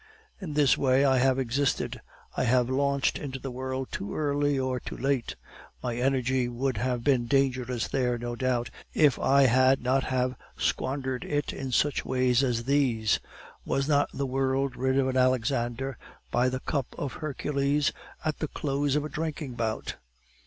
"In this way I have existed. I was launched into the world too early or too late. My energy would have been dangerous there, no doubt, if I had not have squandered it in such ways as these. Was not the world rid of an Alexander, by the cup of Hercules, at the close of a drinking bout?